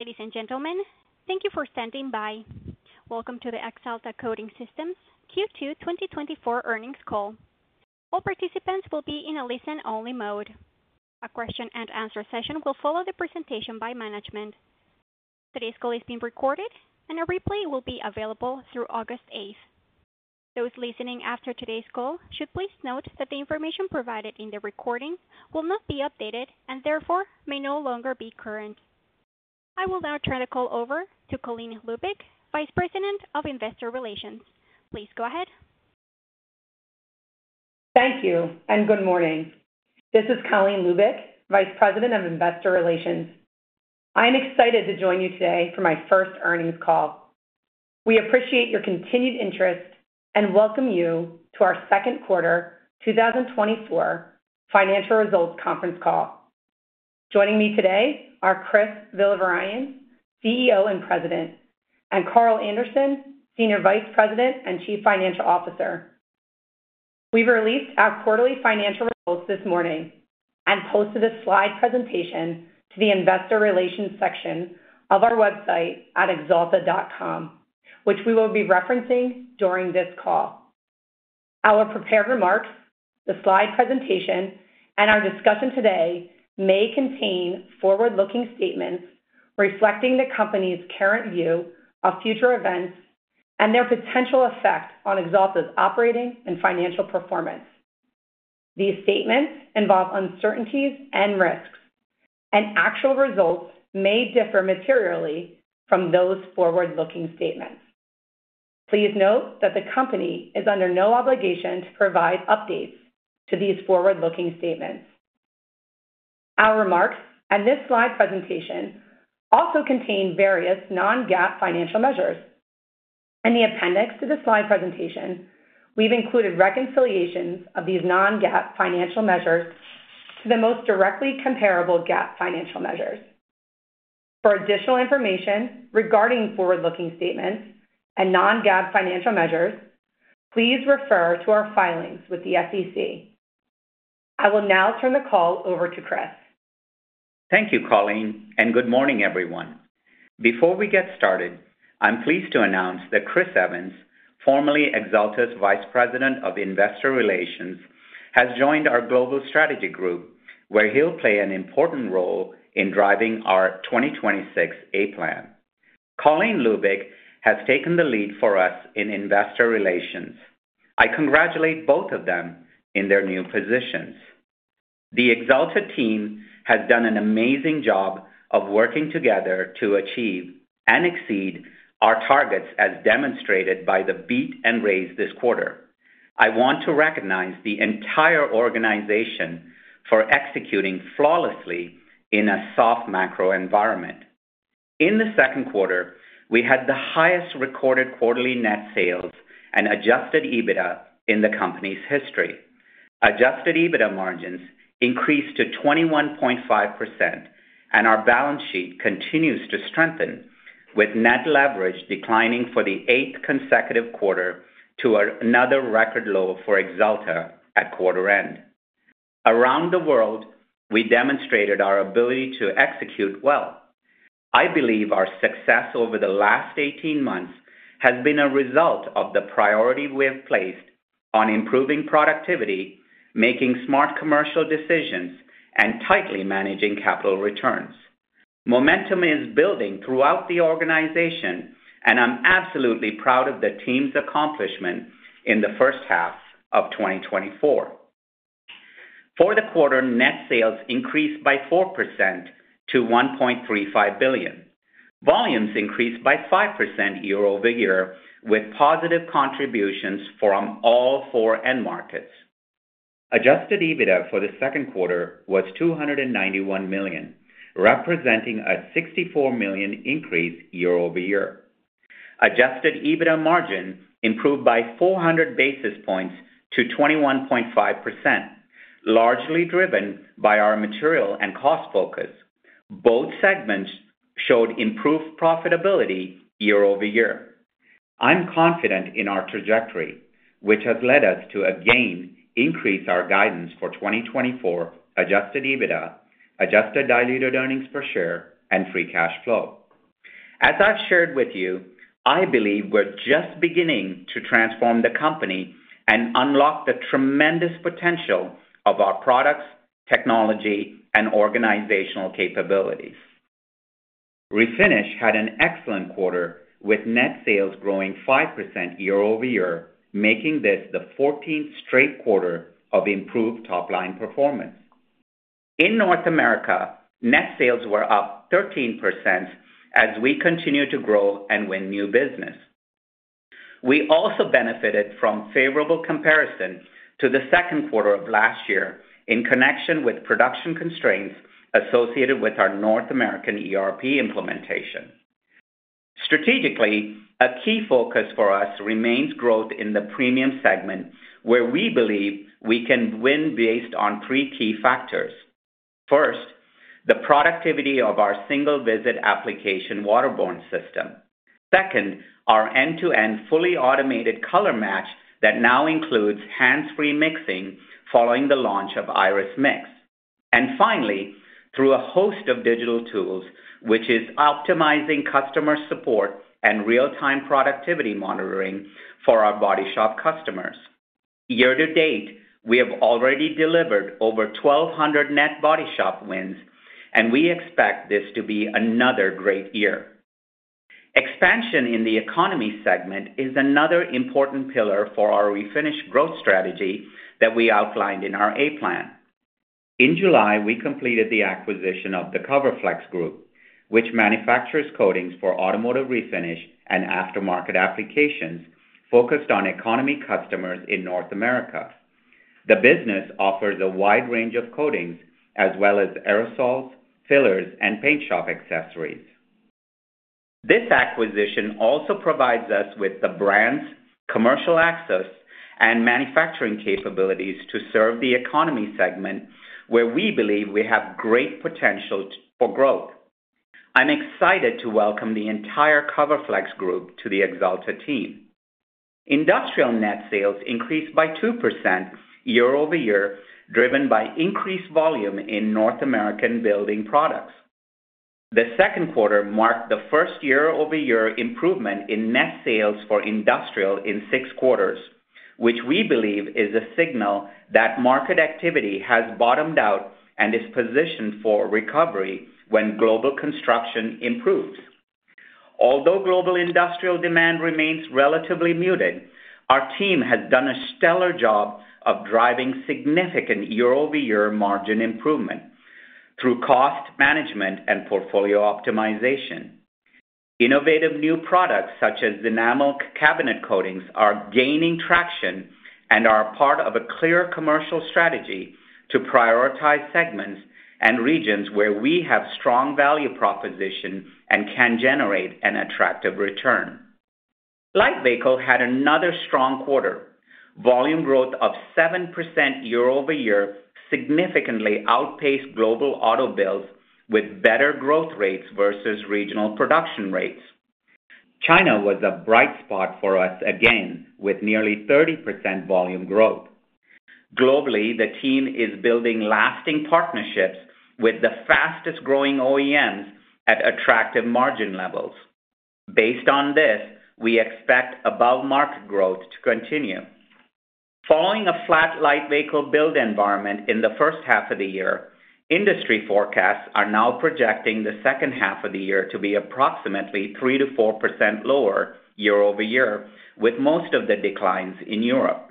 Ladies and gentlemen, thank you for standing by. Welcome to the Axalta Coating Systems Q2 2024 earnings call. All participants will be in a listen-only mode. A question-and-answer session will follow the presentation by management. Today's call is being recorded, and a replay will be available through August eighth. Those listening after today's call should please note that the information provided in the recording will not be updated and therefore may no longer be current. I will now turn the call over to Colleen Lubic, Vice President of Investor Relations. Please go ahead. Thank you, and good morning. This is Colleen Lubic, Vice President of Investor Relations. I'm excited to join you today for my first earnings call. We appreciate your continued interest and welcome you to our second quarter 2024 financial results conference call. Joining me today are Chris Villavarayan, CEO and President, and Carl Anderson, Senior Vice President and Chief Financial Officer. We've released our quarterly financial results this morning and posted a slide presentation to the investor relations section of our website at axalta.com, which we will be referencing during this call. Our prepared remarks, the slide presentation, and our discussion today may contain forward-looking statements reflecting the company's current view of future events and their potential effect on Axalta's operating and financial performance. These statements involve uncertainties and risks, and actual results may differ materially from those forward-looking statements. Please note that the company is under no obligation to provide updates to these forward-looking statements. Our remarks and this slide presentation also contain various non-GAAP financial measures. In the appendix to the slide presentation, we've included reconciliations of these non-GAAP financial measures to the most directly comparable GAAP financial measures. For additional information regarding forward-looking statements and non-GAAP financial measures, please refer to our filings with the SEC. I will now turn the call over to Chris. Thank you, Colleen, and good morning, everyone. Before we get started, I'm pleased to announce that Chris Evans, formerly Axalta's Vice President of Investor Relations, has joined our global strategy group, where he'll play an important role in driving our 2026 A Plan. Colleen Lubic has taken the lead for us in investor relations. I congratulate both of them in their new positions. The Axalta team has done an amazing job of working together to achieve and exceed our targets, as demonstrated by the beat and raise this quarter. I want to recognize the entire organization for executing flawlessly in a soft macro environment. In the second quarter, we had the highest recorded quarterly net sales and Adjusted EBITDA in the company's history. Adjusted EBITDA margins increased to 21.5%, and our balance sheet continues to strengthen, with net leverage declining for the eighth consecutive quarter to another record low for Axalta at quarter end. Around the world, we demonstrated our ability to execute well. I believe our success over the last 18 months has been a result of the priority we have placed on improving productivity, making smart commercial decisions, and tightly managing capital returns. Momentum is building throughout the organization, and I'm absolutely proud of the team's accomplishment in the first half of 2024. For the quarter, net sales increased by 4% to $1.35 billion. Volumes increased by 5% year-over-year, with positive contributions from all four end markets. Adjusted EBITDA for the second quarter was $291 million, representing a $64 million increase year-over-year. Adjusted EBITDA margin improved by 400 basis points to 21.5%, largely driven by our material and cost focus. Both segments showed improved profitability year-over-year. I'm confident in our trajectory, which has led us to again increase our guidance for 2024 Adjusted EBITDA, Adjusted Diluted Earnings Per Share, and Free Cash Flow. As I've shared with you, I believe we're just beginning to transform the company and unlock the tremendous potential of our products, technology, and organizational capabilities. Refinish had an excellent quarter, with net sales growing 5% year-over-year, making this the 14th straight quarter of improved top-line performance. In North America, net sales were up 13%, as we continued to grow and win new business. We also benefited from favorable comparison to the second quarter of last year in connection with production constraints associated with our North American ERP implementation. Strategically, a key focus for us remains growth in the premium segment, where we believe we can win based on three key factors. First, the productivity of our single-visit application waterborne system. Second, our end-to-end fully automated color match that now includes hands-free mixing following the launch of Irus Mix. And finally, through a host of digital tools, which is optimizing customer support and real-time productivity monitoring for our body shop customers. Year to date, we have already delivered over 1,200 net body shop wins, and we expect this to be another great year. Expansion in the economy segment is another important pillar for our refinish growth strategy that we outlined in our A Plan. In July, we completed the acquisition of the CoverFlexx Group, which manufactures coatings for automotive refinish and aftermarket applications focused on economy customers in North America. The business offers a wide range of coatings as well as aerosols, fillers, and paint shop accessories. This acquisition also provides us with the brands, commercial access, and manufacturing capabilities to serve the economy segment, where we believe we have great potential for growth. I'm excited to welcome the entire CoverFlexx Group to the Axalta team. Industrial net sales increased by 2% year-over-year, driven by increased volume in North American building products. The second quarter marked the first year-over-year improvement in net sales for industrial in six quarters, which we believe is a signal that market activity has bottomed out and is positioned for recovery when global construction improves. Although global industrial demand remains relatively muted, our team has done a stellar job of driving significant year-over-year margin improvement through cost management and portfolio optimization. Innovative new products, such as enamel cabinet coatings, are gaining traction and are part of a clear commercial strategy to prioritize segments and regions where we have strong value proposition and can generate an attractive return. Light vehicle had another strong quarter. Volume growth of 7% year-over-year significantly outpaced global auto builds with better growth rates versus regional production rates. China was a bright spot for us again, with nearly 30% volume growth. Globally, the team is building lasting partnerships with the fastest-growing OEMs at attractive margin levels. Based on this, we expect above-market growth to continue. Following a flat light vehicle build environment in the first half of the year, industry forecasts are now projecting the second half of the year to be approximately 3%-4% lower year-over-year, with most of the declines in Europe.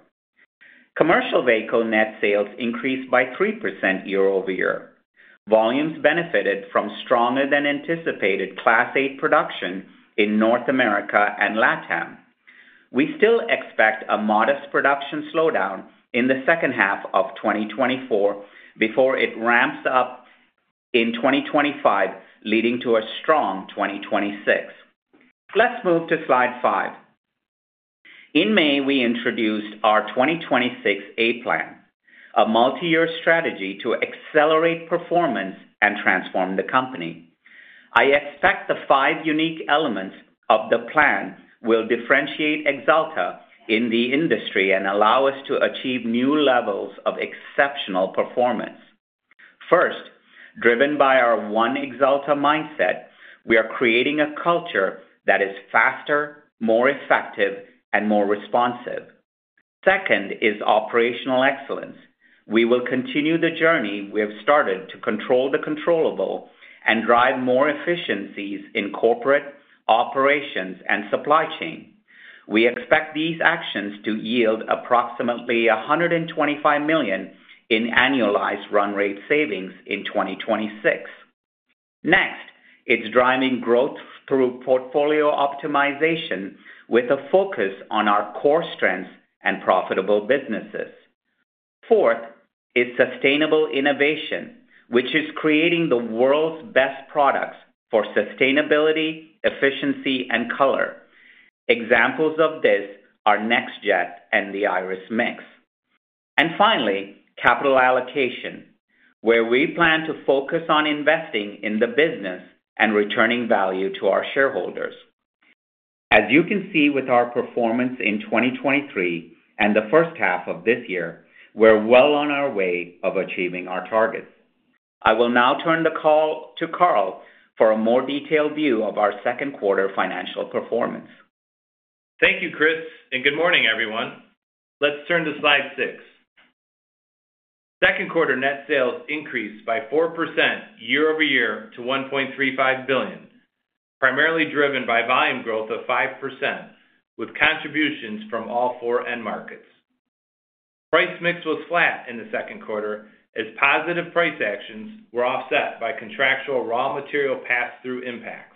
Commercial vehicle net sales increased by 3% year-over-year. Volumes benefited from stronger than anticipated Class A production in North America and LATAM. We still expect a modest production slowdown in the second half of 2024 before it ramps up in 2025, leading to a strong 2026. Let's move to slide 5. In May, we introduced our 2026 A Plan, a multi-year strategy to accelerate performance and transform the company. I expect the five unique elements of the plan will differentiate Axalta in the industry and allow us to achieve new levels of exceptional performance. First, driven by our One Axalta mindset, we are creating a culture that is faster, more effective, and more responsive. Second is operational excellence. We will continue the journey we have started to control the controllable and drive more efficiencies in corporate operations and supply chain. We expect these actions to yield approximately $125 million in annualized run rate savings in 2026. Next, it's driving growth through portfolio optimization with a focus on our core strengths and profitable businesses. Fourth, is sustainable innovation, which is creating the world's best products for sustainability, efficiency, and color. Examples of this are NextJet and the Irus Mix. And finally, capital allocation, where we plan to focus on investing in the business and returning value to our shareholders. As you can see with our performance in 2023 and the first half of this year, we're well on our way of achieving our targets. I will now turn the call to Carl for a more detailed view of our second quarter financial performance. Thank you, Chris, and good morning, everyone. Let's turn to slide six. Second quarter net sales increased by 4% year-over-year to $1.35 billion, primarily driven by volume growth of 5%, with contributions from all 4 end markets. Price mix was flat in the second quarter as positive price actions were offset by contractual raw material pass-through impacts.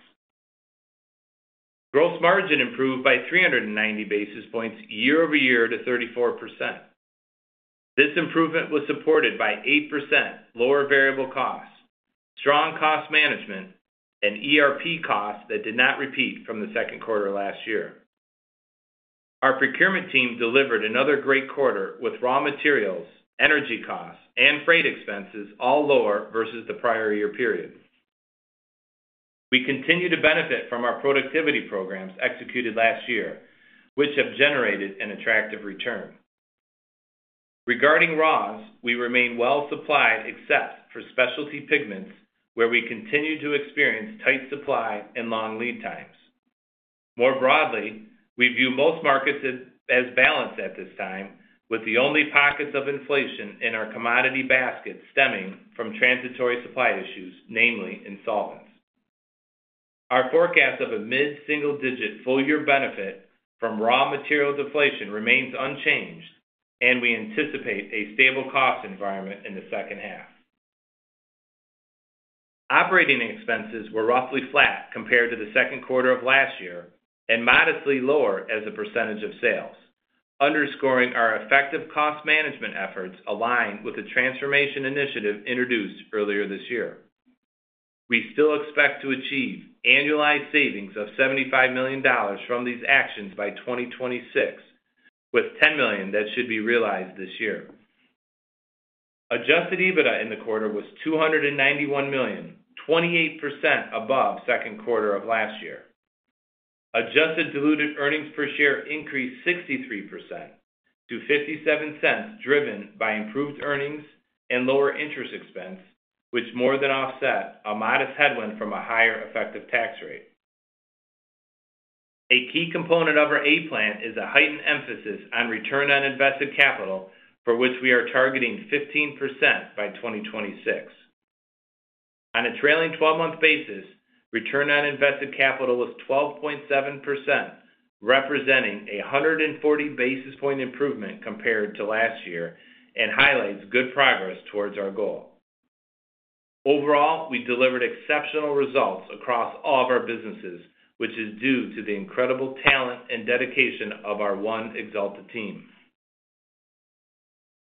Gross margin improved by 390 basis points year-over-year to 34%. This improvement was supported by 8% lower variable costs, strong cost management, and ERP costs that did not repeat from the second quarter last year.... Our procurement team delivered another great quarter with raw materials, energy costs, and freight expenses all lower versus the prior year period. We continue to benefit from our productivity programs executed last year, which have generated an attractive return. Regarding raws, we remain well supplied except for specialty pigments, where we continue to experience tight supply and long lead times. More broadly, we view most markets as balanced at this time, with the only pockets of inflation in our commodity basket stemming from transitory supply issues, namely in solvents. Our forecast of a mid-single digit full year benefit from raw material deflation remains unchanged, and we anticipate a stable cost environment in the second half. Operating expenses were roughly flat compared to the second quarter of last year, and modestly lower as a percentage of sales, underscoring our effective cost management efforts aligned with the transformation initiative introduced earlier this year. We still expect to achieve annualized savings of $75 million from these actions by 2026, with $10 million that should be realized this year. Adjusted EBITDA in the quarter was $291 million, 28% above second quarter of last year. Adjusted diluted earnings per share increased 63% to $0.57, driven by improved earnings and lower interest expense, which more than offset a modest headwind from a higher effective tax rate. A key component of our A Plan is a heightened emphasis on return on invested capital, for which we are targeting 15% by 2026. On a trailing 12-month basis, return on invested capital was 12.7%, representing a 140 basis point improvement compared to last year, and highlights good progress towards our goal. Overall, we delivered exceptional results across all of our businesses, which is due to the incredible talent and dedication of our One Axalta team.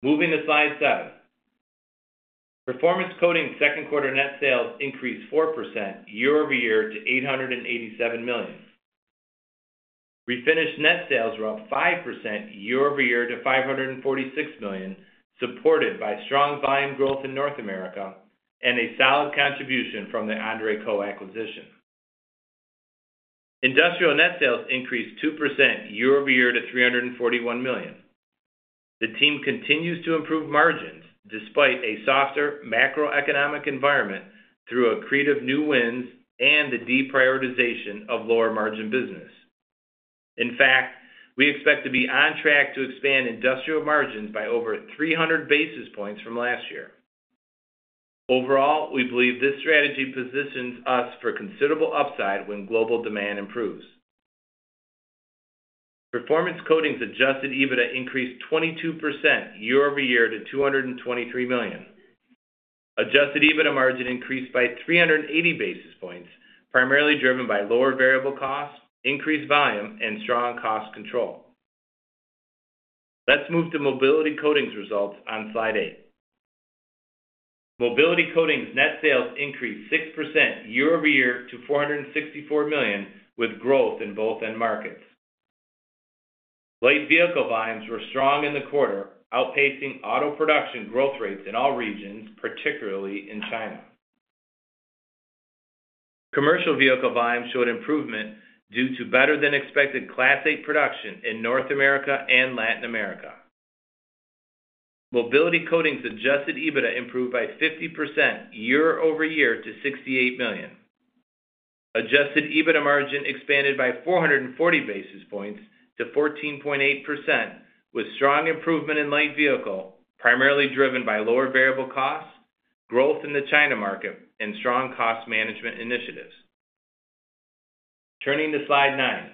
Moving to slide seven. Performance Coatings second quarter net sales increased 4% year-over-year to $887 million. Refinish net sales were up 5% year-over-year to $546 million, supported by strong volume growth in North America and a solid contribution from the André Koch acquisition. Industrial net sales increased 2% year-over-year to $341 million. The team continues to improve margins despite a softer macroeconomic environment through accretive new wins and the deprioritization of lower-margin business. In fact, we expect to be on track to expand industrial margins by over 300 basis points from last year. Overall, we believe this strategy positions us for considerable upside when global demand improves. Performance Coatings Adjusted EBITDA increased 22% year-over-year to $223 million. Adjusted EBITDA margin increased by 380 basis points, primarily driven by lower variable costs, increased volume, and strong cost control. Let's move to Mobility Coatings results on slide 8. Mobility Coatings net sales increased 6% year-over-year to $464 million, with growth in both end markets. Light vehicle volumes were strong in the quarter, outpacing auto production growth rates in all regions, particularly in China. Commercial vehicle volumes showed improvement due to better-than-expected Class A production in North America and Latin America. Mobility Coatings adjusted EBITDA improved by 50% year-over-year to $68 million. Adjusted EBITDA margin expanded by 440 basis points to 14.8%, with strong improvement in light vehicle, primarily driven by lower variable costs, growth in the China market, and strong cost management initiatives. Turning to slide 9.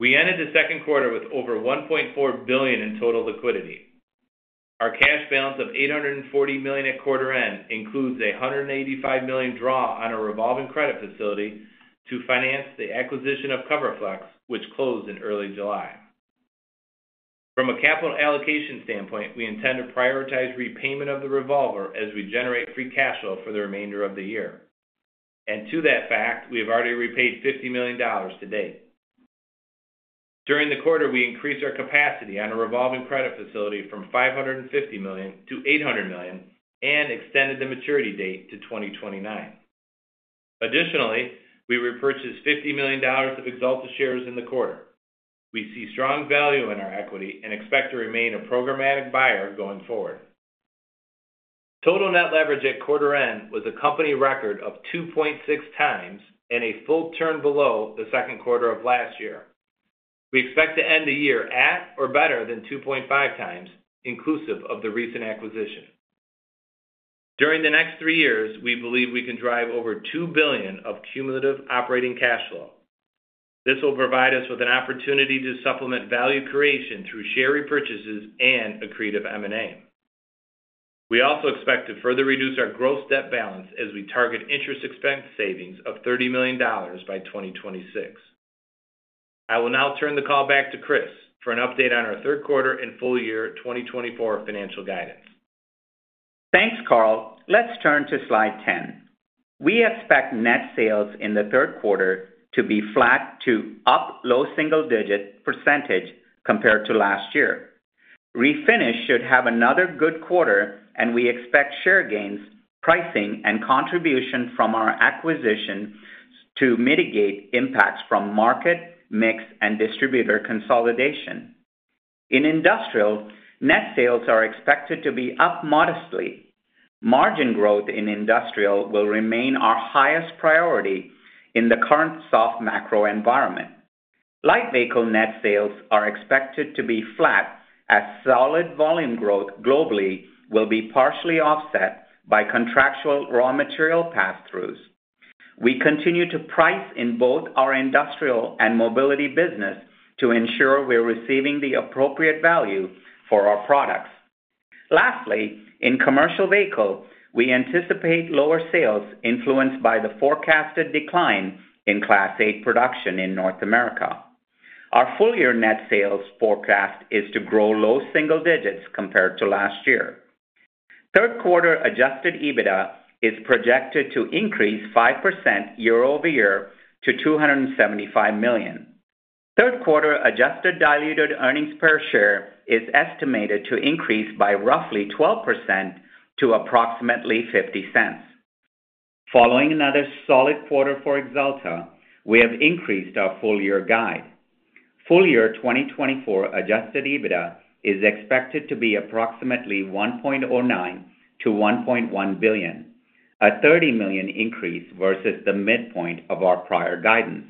We ended the second quarter with over $1.4 billion in total liquidity. Our cash balance of $840 million at quarter end includes a $185 million draw on a revolving credit facility to finance the acquisition of CoverFlexx, which closed in early July. From a capital allocation standpoint, we intend to prioritize repayment of the revolver as we generate free cash flow for the remainder of the year. To that fact, we have already repaid $50 million to date. During the quarter, we increased our capacity on a revolving credit facility from $550 million to $800 million and extended the maturity date to 2029. Additionally, we repurchased $50 million of Axalta shares in the quarter. We see strong value in our equity and expect to remain a programmatic buyer going forward. Total net leverage at quarter end was a company record of 2.6x and a full turn below the second quarter of last year. We expect to end the year at or better than 2.5x, inclusive of the recent acquisition. During the next 3 years, we believe we can drive over $2 billion of cumulative operating cash flow. This will provide us with an opportunity to supplement value creation through share repurchases and accretive M&A. We also expect to further reduce our gross debt balance as we target interest expense savings of $30 million by 2026. I will now turn the call back to Chris for an update on our third quarter and full year 2024 financial guidance. Thanks, Carl. Let's turn to slide 10. We expect net sales in the third quarter to be flat to up low single-digit % compared to last year. Refinish should have another good quarter, and we expect share gains, pricing, and contribution from our acquisition to mitigate impacts from market, mix, and distributor consolidation. In Industrial, net sales are expected to be up modestly. Margin growth in Industrial will remain our highest priority in the current soft macro environment. Light Vehicle net sales are expected to be flat, as solid volume growth globally will be partially offset by contractual raw material passthroughs. We continue to price in both our Industrial and Mobility business to ensure we're receiving the appropriate value for our products. Lastly, in Commercial Vehicle, we anticipate lower sales influenced by the forecasted decline in Class A production in North America. Our full year net sales forecast is to grow low single digits compared to last year. Third quarter adjusted EBITDA is projected to increase 5% year-over-year to $275 million. Third quarter adjusted diluted earnings per share is estimated to increase by roughly 12% to approximately $0.50. Following another solid quarter for Axalta, we have increased our full year guide. Full year 2024 adjusted EBITDA is expected to be approximately $1.09 billion-$1.1 billion, a $30 million increase versus the midpoint of our prior guidance.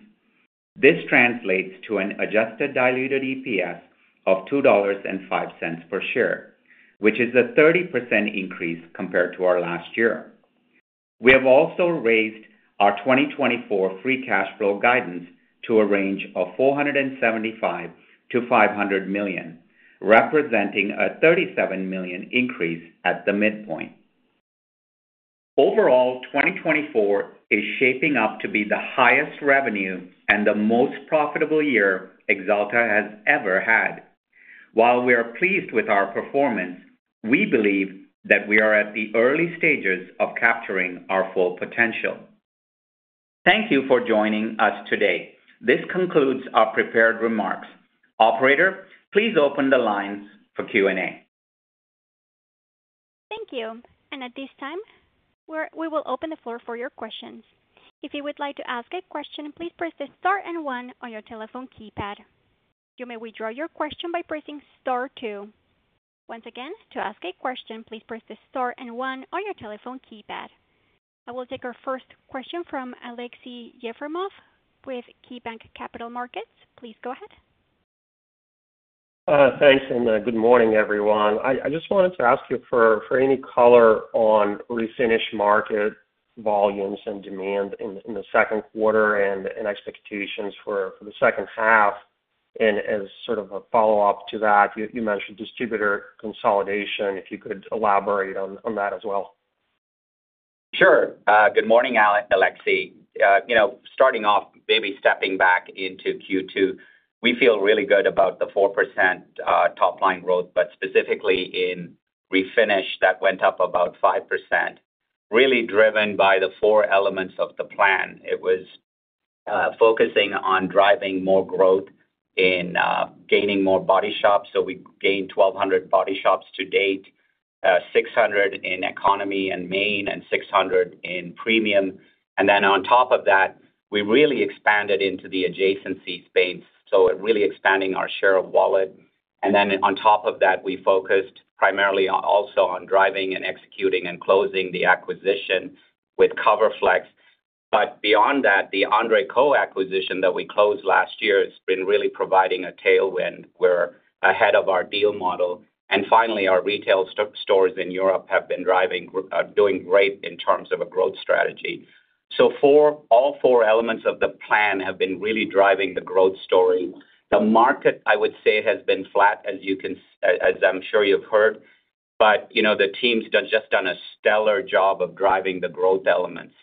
This translates to an adjusted diluted EPS of $2.05 per share, which is a 30% increase compared to our last year. We have also raised our 2024 free cash flow guidance to a range of $475 million-$500 million, representing a $37 million increase at the midpoint. Overall, 2024 is shaping up to be the highest revenue and the most profitable year Axalta has ever had. While we are pleased with our performance, we believe that we are at the early stages of capturing our full potential. Thank you for joining us today. This concludes our prepared remarks. Operator, please open the lines for Q&A. Thank you. At this time, we will open the floor for your questions. If you would like to ask a question, please press star and one on your telephone keypad. You may withdraw your question by pressing star two. Once again, to ask a question, please press star and one on your telephone keypad. I will take our first question from Aleksey Yefremov with KeyBanc Capital Markets. Please go ahead. Thanks, and good morning, everyone. I just wanted to ask you for any color on Refinish market volumes and demand in the second quarter and expectations for the second half. And as sort of a follow-up to that, you mentioned distributor consolidation, if you could elaborate on that as well. Sure. Good morning, Aleksey. You know, starting off, maybe stepping back into Q2, we feel really good about the 4% top line growth, but specifically in Refinish, that went up about 5%, really driven by the four elements of the plan. It was focusing on driving more growth in gaining more body shops. So we gained 1,200 body shops to date, 600 in economy and main, and 600 in premium. And then on top of that, we really expanded into the adjacency space, so really expanding our share of wallet. And then on top of that, we focused primarily also on driving and executing and closing the acquisition with CoverFlexx. But beyond that, the André Koch acquisition that we closed last year has been really providing a tailwind. We're ahead of our deal model. Finally, our retail stores in Europe have been driving, doing great in terms of a growth strategy. So all four elements of the plan have been really driving the growth story. The market, I would say, has been flat, as you can see, as I'm sure you've heard, but, you know, the team's done, just done a stellar job of driving the growth elements.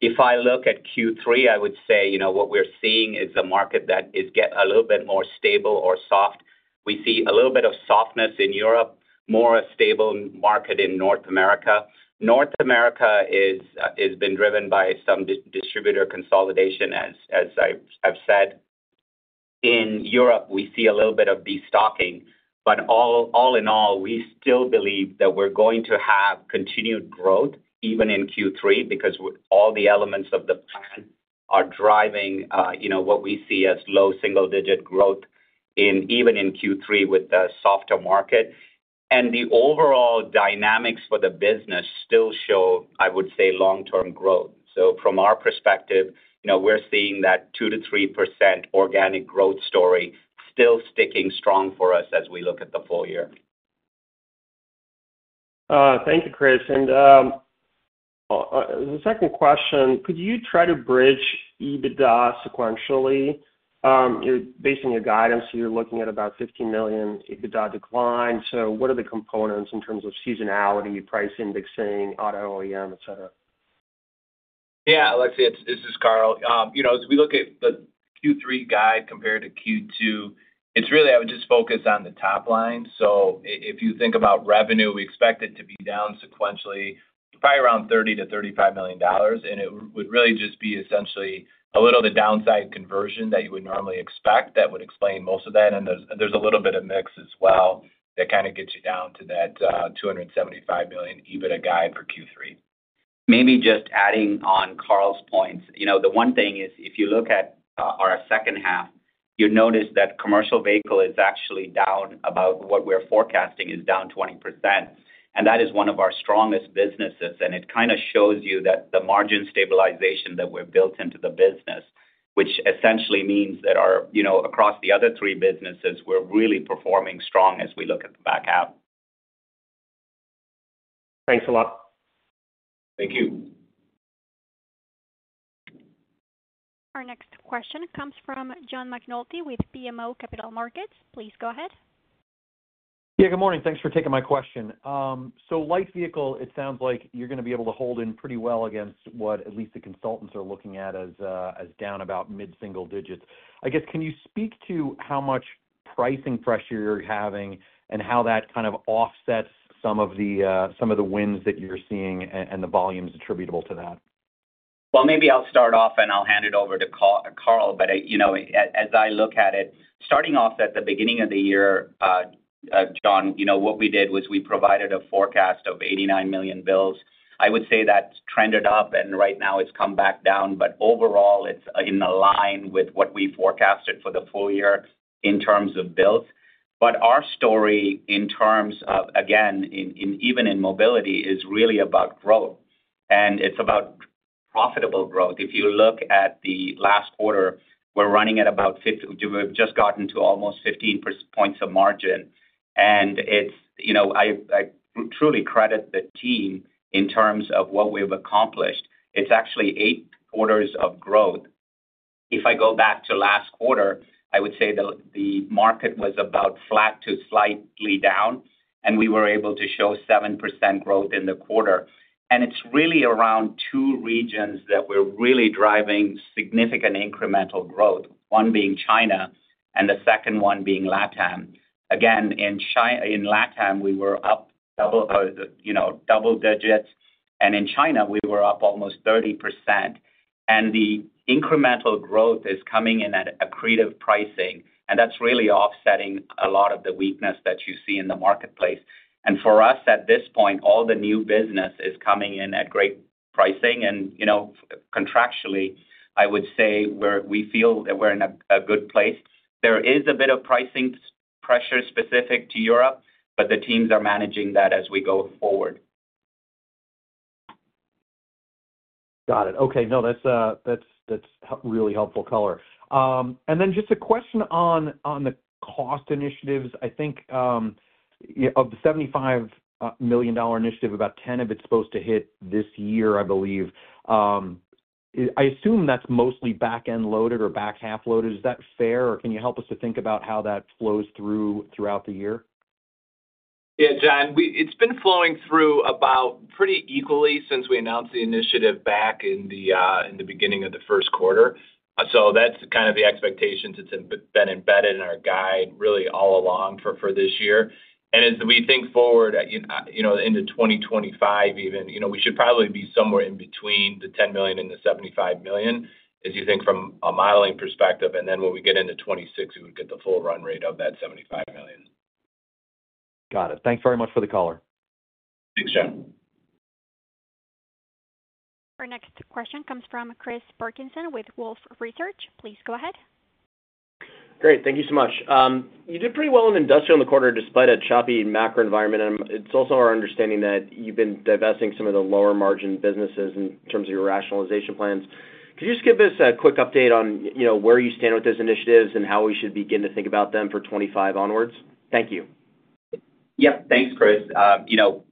If I look at Q3, I would say, you know, what we're seeing is a market that is getting a little bit more stable or soft. We see a little bit of softness in Europe, more of a stable market in North America. North America has been driven by some distributor consolidation, as I've said. In Europe, we see a little bit of destocking, but all, all in all, we still believe that we're going to have continued growth even in Q3, because all the elements of the plan are driving, you know, what we see as low single digit growth in, even in Q3 with the softer market. And the overall dynamics for the business still show, I would say, long-term growth. So from our perspective, you know, we're seeing that 2%-3% organic growth story still sticking strong for us as we look at the full year. Thank you, Chris. And, the second question, could you try to bridge EBITDA sequentially? You're, based on your guidance, you're looking at about $50 million EBITDA decline. So what are the components in terms of seasonality, price indexing, auto OEM, et cetera? Yeah, Alexi, it's this is Carl. You know, as we look at the Q3 guide compared to Q2, it's really, I would just focus on the top line. So if you think about revenue, we expect it to be down sequentially, probably around $30 million-$35 million. And it would really just be essentially a little of the downside conversion that you would normally expect. That would explain most of that, and there's a little bit of mix as well that kind of gets you down to that $275 million EBITDA guide for Q3. Maybe just adding on Carl's points. You know, the one thing is, if you look at our second half, you'll notice that Commercial Vehicle is actually down about what we're forecasting is down 20%, and that is one of our strongest businesses. And it kind of shows you that the margin stabilization that we've built into the business, which essentially means that our, you know, across the other three businesses, we're really performing strong as we look at the back half. Thanks a lot. Thank you. Our next question comes from John McNulty with BMO Capital Markets. Please go ahead. Yeah, good morning. Thanks for taking my question. So light vehicle, it sounds like you're gonna be able to hold in pretty well against what at least the consultants are looking at as, as down about mid-single digits. I guess, can you speak to how much pricing pressure you're having and how that kind of offsets some of the, some of the wins that you're seeing and, and the volumes attributable to that? Well, maybe I'll start off, and I'll hand it over to Carl. But I, you know, as I look at it, starting off at the beginning of the year, John, you know, what we did was we provided a forecast of 89 million builds. I would say that's trended up, and right now it's come back down. But overall, it's in line with what we forecasted for the full year in terms of builds. But our story in terms of, again, even in mobility, is really about growth, and it's about profitable growth. If you look at the last quarter, we're running at about. We've just gotten to almost 15 percentage points of margin. And it's, you know, I truly credit the team in terms of what we've accomplished. It's actually 8 quarters of growth. If I go back to last quarter, I would say the market was about flat to slightly down, and we were able to show 7% growth in the quarter. And it's really around two regions that we're really driving significant incremental growth, one being China and the second one being LATAM. Again, in LATAM, we were up double, you know, double digits, and in China, we were up almost 30%. And the incremental growth is coming in at accretive pricing, and that's really offsetting a lot of the weakness that you see in the marketplace. And for us, at this point, all the new business is coming in at great pricing. And, you know, contractually, I would say we're we feel that we're in a good place. There is a bit of pricing pressure specific to Europe, but the teams are managing that as we go forward. Got it. Okay, no, that's really helpful color. And then just a question on the cost initiatives. I think, yeah, of the $75 million initiative, about $10 million of it's supposed to hit this year, I believe. I assume that's mostly back-end loaded or back-half loaded. Is that fair, or can you help us to think about how that flows through throughout the year? Yeah, John, it's been flowing through about pretty equally since we announced the initiative back in the beginning of the first quarter. So that's kind of the expectations it's been embedded in our guide, really all along for this year. And as we think forward, you know, into 2025 even, you know, we should probably be somewhere in between the $10 million and the $75 million, as you think from a modeling perspective, and then when we get into 2026, we would get the full run rate of that $75 million. Got it. Thank you very much for the color. Thanks, John. Our next question comes from Chris Parkinson with Wolfe Research. Please go ahead. Great, thank you so much. You did pretty well in industrial in the quarter, despite a choppy macro environment. It's also our understanding that you've been divesting some of the lower margin businesses in terms of your rationalization plans. Could you just give us a quick update on, you know, where you stand with those initiatives and how we should begin to think about them for 2025 onwards? Thank you. Yeah, thanks, Chris. You know,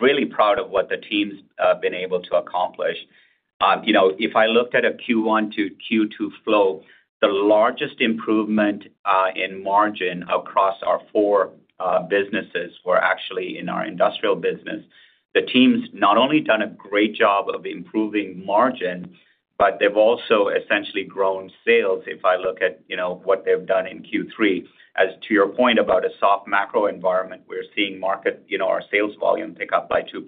really proud of what the team's been able to accomplish. You know, if I looked at a Q1 to Q2 flow, the largest improvement in margin across our four businesses were actually in our industrial business. The team's not only done a great job of improving margin, but they've also essentially grown sales, if I look at, you know, what they've done in Q3. As to your point about a soft macro environment, we're seeing market, you know, our sales volume pick up by 2%.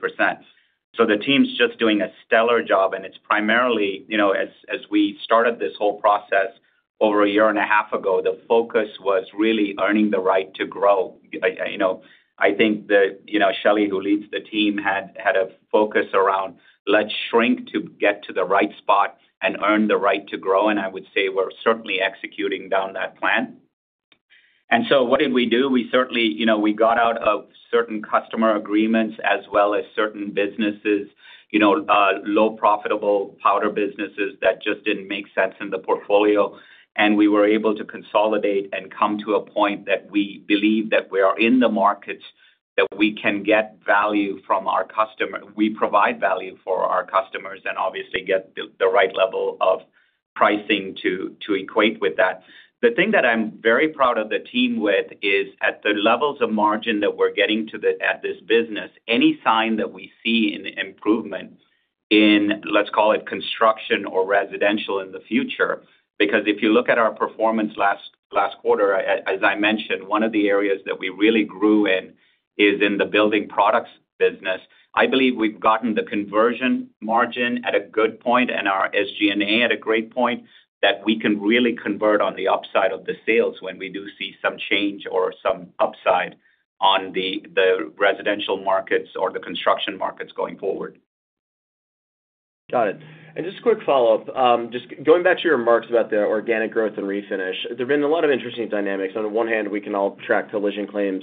So the team's just doing a stellar job, and it's primarily, you know, as we started this whole process over a year and a half ago, the focus was really earning the right to grow. You know, I think that, you know, Shelley, who leads the team, had a focus around "Let's shrink to get to the right spot and earn the right to grow." And I would say we're certainly executing down that plan. And so what did we do? We certainly, you know, we got out of certain customer agreements as well as certain businesses, you know, low profitable powder businesses that just didn't make sense in the portfolio. And we were able to consolidate and come to a point that we believe that we are in the markets, that we can get value from our customers, we provide value for our customers and obviously get the right level of pricing to equate with that. The thing that I'm very proud of the team with is at the levels of margin that we're getting to the at this business, any sign that we see in improvement in, let's call it construction or residential in the future, because if you look at our performance last quarter, as I mentioned, one of the areas that we really grew in is in the building products business. I believe we've gotten the conversion margin at a good point and our SG&A at a great point, that we can really convert on the upside of the sales when we do see some change or some upside on the residential markets or the construction markets going forward. Got it. And just a quick follow-up. Just going back to your remarks about the organic growth and refinish, there have been a lot of interesting dynamics. On the one hand, we can all track collision claims.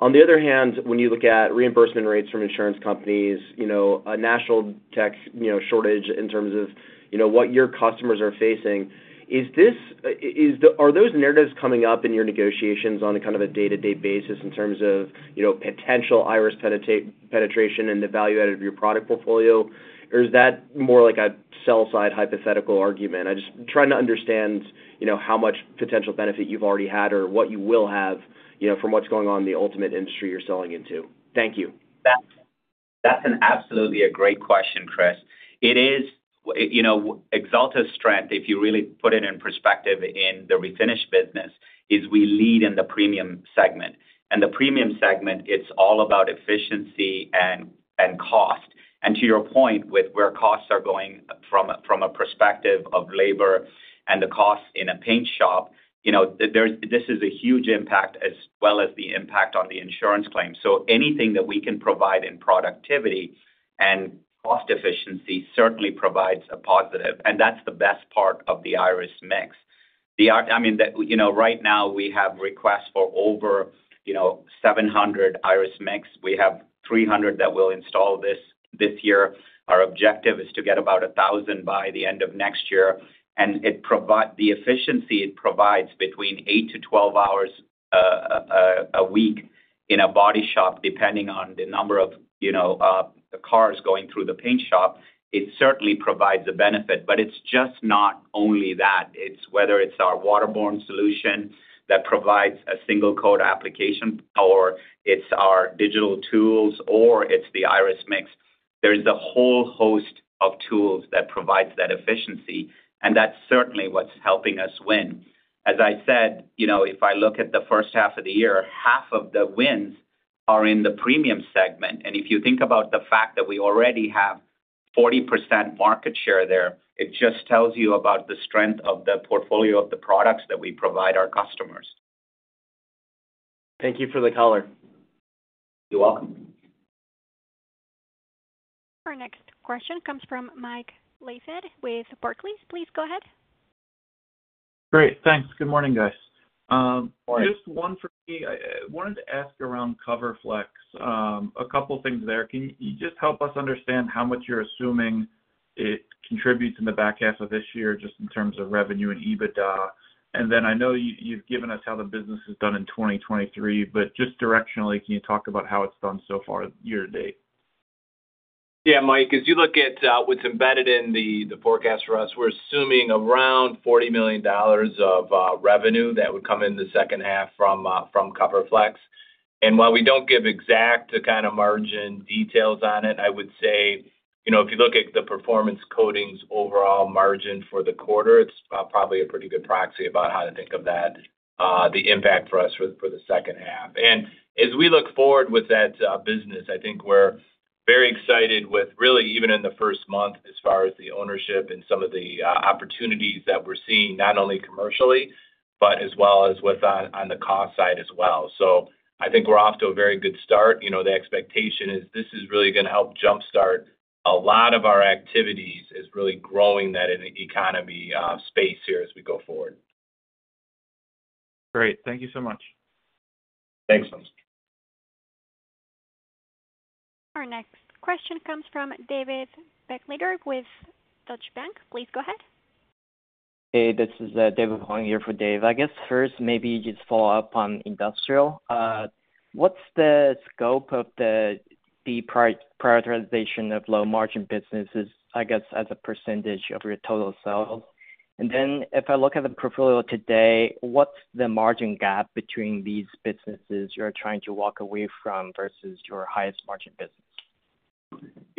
On the other hand, when you look at reimbursement rates from insurance companies, you know, a national tech, you know, shortage in terms of, you know, what your customers are facing, is this, are those narratives coming up in your negotiations on a kind of a day-to-day basis in terms of, you know, potential Irus penetration and the value added of your product portfolio? Or is that more like a sell side hypothetical argument? I'm just trying to understand, you know, how much potential benefit you've already had or what you will have, you know, from what's going on in the ultimate industry you're selling into. Thank you. That's an absolutely great question, Chris. It is, you know, Axalta's strength, if you really put it in perspective in the refinish business, is we lead in the premium segment. And the premium segment, it's all about efficiency and cost. And to your point, with where costs are going from a perspective of labor and the cost in a paint shop, you know, there's, this is a huge impact as well as the impact on the insurance claims. So anything that we can provide in productivity and cost efficiency certainly provides a positive, and that's the best part of the Irus Mix. I mean, you know, right now we have requests for over 700 Irus Mix. We have 300 that we'll install this year. Our objective is to get about 1,000 by the end of next year, and the efficiency it provides between 8-12 hours a week in a body shop, depending on the number of, you know, the cars going through the paint shop, it certainly provides a benefit, but it's just not only that. It's whether it's our waterborne solution that provides a single coat application, or it's our digital tools, or it's the Irus Mix. There's a whole host of tools that provides that efficiency, and that's certainly what's helping us win. As I said, you know, if I look at the first half of the year, half of the wins are in the premium segment. If you think about the fact that we already have 40% market share there, it just tells you about the strength of the portfolio of the products that we provide our customers. Thank you for the color. You're welcome. Our next question comes from Mike Leithead with Barclays. Please go ahead. Great, thanks. Good morning, guys. Morning. Just one for me. I wanted to ask around CoverFlexx. A couple things there. Can you just help us understand how much you're assuming it contributes in the back half of this year, just in terms of revenue and EBITDA? And then I know you've given us how the business has done in 2023, but just directionally, can you talk about how it's done so far year to date? Yeah, Mike, as you look at what's embedded in the forecast for us, we're assuming around $40 million of revenue that would come in the second half from CoverFlexx. And while we don't give exact the kind of margin details on it, I would say, you know, if you look at the Performance Coatings overall margin for the quarter, it's probably a pretty good proxy about how to think of that, the impact for us for the second half. And as we look forward with that business, I think we're very excited with really, even in the first month, as far as the ownership and some of the opportunities that we're seeing, not only commercially, but as well as with on the cost side as well. So I think we're off to a very good start. You know, the expectation is this is really gonna help jumpstart a lot of our activities, is really growing that in the economy, space here as we go forward. Great. Thank you so much. Thanks. Our next question comes from David Begleiter with Deutsche Bank. Please go ahead. Hey, this is, David Hong in for Dave. I guess first, maybe just follow up on industrial. What's the scope of the prioritization of low margin businesses, I guess, as a percentage of your total sales? And then if I look at the portfolio today, what's the margin gap between these businesses you're trying to walk away from versus your highest margin business?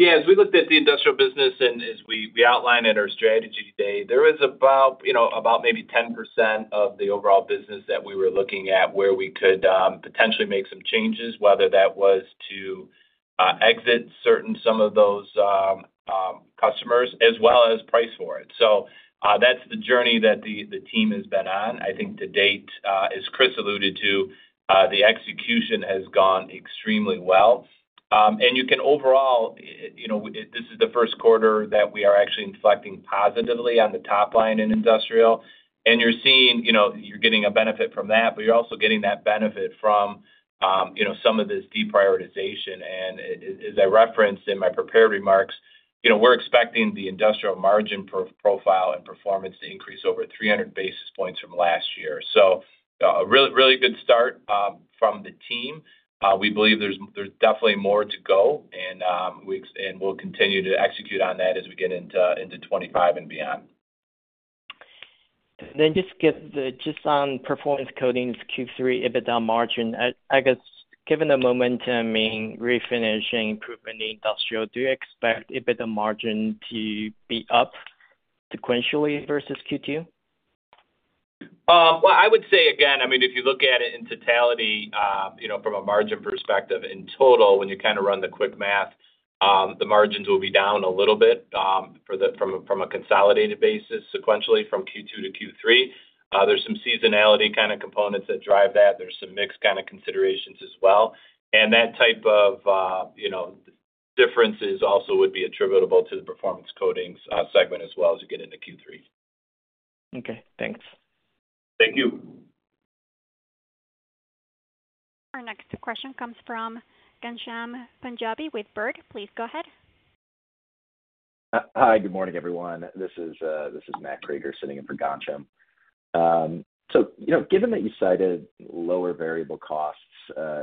Yeah, as we looked at the industrial business and as we outlined in our strategy today, there is about, you know, about maybe 10% of the overall business that we were looking at, where we could potentially make some changes, whether that was to exit certain some of those customers, as well as price for it. So, that's the journey that the team has been on. I think to date, as Chris alluded to, the execution has gone extremely well. And you can overall, you know, this is the first quarter that we are actually inflecting positively on the top line in industrial. And you're seeing, you know, you're getting a benefit from that, but you're also getting that benefit from, you know, some of this deprioritization. As I referenced in my prepared remarks, you know, we're expecting the industrial margin profile and performance to increase over 300 basis points from last year. So, a really, really good start from the team. We believe there's definitely more to go, and we'll continue to execute on that as we get into 2025 and beyond. And then just on Performance Coatings Q3 EBITDA margin. I guess, given the momentum in Refinishing improvement in Industrial, do you expect EBITDA margin to be up sequentially versus Q2? Well, I would say again, I mean, if you look at it in totality, you know, from a margin perspective, in total, when you kind of run the quick math, the margins will be down a little bit from a consolidated basis sequentially from Q2 to Q3. There's some seasonality kind of components that drive that. There's some mixed kind of considerations as well. And that type of, you know, differences also would be attributable to the Performance Coatings segment as well as you get into Q3. Okay, thanks. Thank you. Our next question comes from Ghansham Panjabi with Baird. Please go ahead. Hi, good morning, everyone. This is, this is Matt Krueger sitting in for Ghansham. So, you know, given that you cited lower variable costs,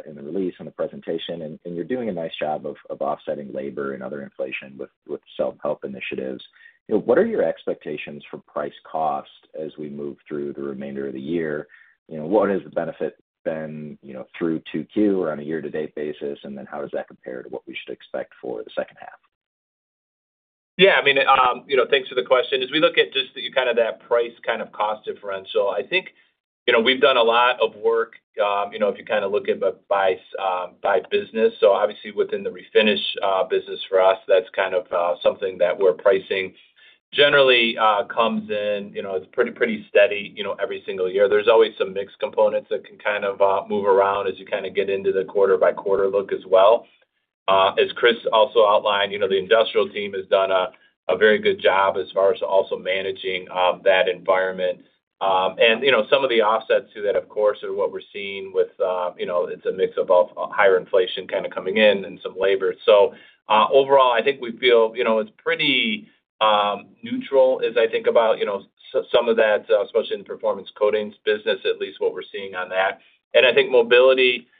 in the release, in the presentation, and you're doing a nice job of offsetting labor and other inflation with self-help initiatives, you know, what are your expectations for price cost as we move through the remainder of the year? You know, what has the benefit been, you know, through 2Q on a year-to-date basis, and then how does that compare to what we should expect for the second half? Yeah, I mean, you know, thanks for the question. As we look at just kind of that price kind of cost differential, I think, you know, we've done a lot of work, you know, if you kind of look at by, by business. So obviously within the Refinish business for us, that's kind of something that we're pricing. Generally comes in, you know, it's pretty, pretty steady, you know, every single year. There's always some mixed components that can kind of move around as you kind of get into the quarter by quarter look as well. As Chris also outlined, you know, the Industrial team has done a, a very good job as far as also managing that environment. And, you know, some of the offsets to that, of course, are what we're seeing with, you know, it's a mix of higher inflation kind of coming in and some labor. So, overall, I think we feel, you know, it's pretty neutral as I think about, you know, some of that, especially in Performance Coatings business, at least what we're seeing on that. And I think Mobility Coatings,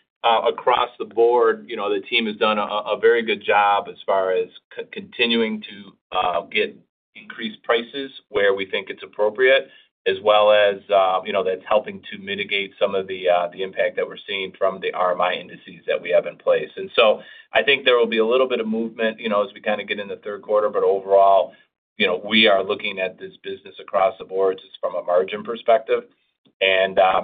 across the board, you know, the team has done a very good job as far as continuing to get increased prices where we think it's appropriate, as well as, you know, that's helping to mitigate some of the impact that we're seeing from the RMI indices that we have in place. So I think there will be a little bit of movement, you know, as we kind of get in the third quarter. Overall, you know, we are looking at this business across the board just from a margin perspective.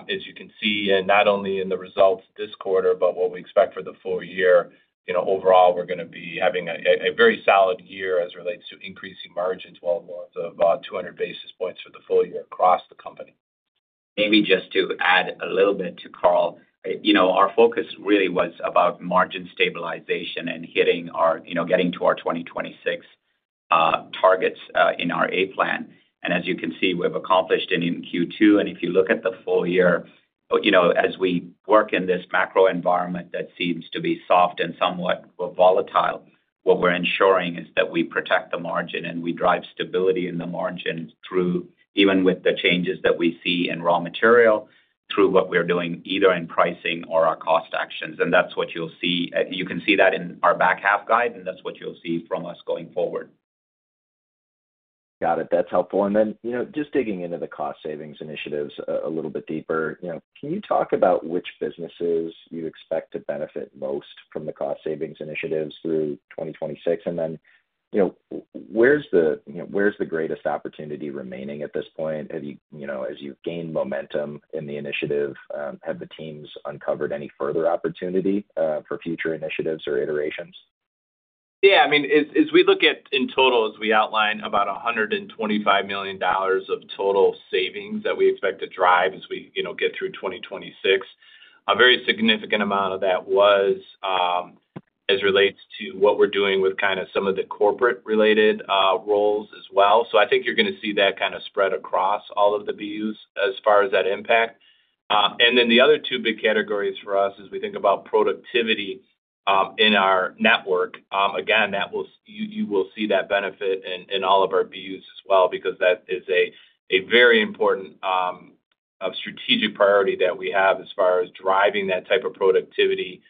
As you can see, and not only in the results this quarter, but what we expect for the full year, you know, overall, we're gonna be having a very solid year as it relates to increasing margins, well above 200 basis points for the full year across the company. Maybe just to add a little bit to Carl. You know, our focus really was about margin stabilization and hitting our, you know, getting to our 2026 targets in our A Plan. And as you can see, we've accomplished it in Q2. And if you look at the full year, you know, as we work in this macro environment, that seems to be soft and somewhat volatile, what we're ensuring is that we protect the margin, and we drive stability in the margin through, even with the changes that we see in raw material, through what we're doing, either in pricing or our cost actions. And that's what you'll see. You can see that in our back half guide, and that's what you'll see from us going forward. Got it. That's helpful. And then, you know, just digging into the cost savings initiatives a little bit deeper. You know, can you talk about which businesses you expect to benefit most from the cost savings initiatives through 2026? And then, you know, where's the, you know, where's the greatest opportunity remaining at this point? Have you, you know, as you've gained momentum in the initiative, have the teams uncovered any further opportunity for future initiatives or iterations? Yeah, I mean, as we look at in total, as we outlined, about $125 million of total savings that we expect to drive as we, you know, get through 2026. A very significant amount of that was, as it relates to what we're doing with kind of some of the corporate related roles as well. So I think you're gonna see that kind of spread across all of the BUs as far as that impact. And then the other two big categories for us as we think about productivity in our network, again, that will... You will see that benefit in all of our BUs as well, because that is a very important strategic priority that we have as far as driving that type of productivity